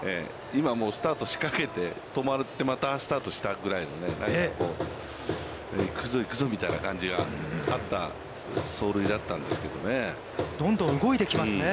今もスタートを仕掛けて、止まって、またスタートしたぐらいの、行くぞ行くぞみたいな感じがあった走塁だったんですけどね。